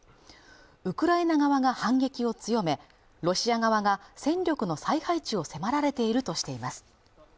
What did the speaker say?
ウクライナ側が反撃を強めロシア側が戦力の再配置を迫られているとしています